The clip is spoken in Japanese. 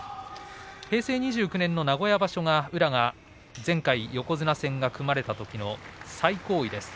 平成２９年の名古屋場所、宇良が前回横綱戦が組まれたときの最高位です。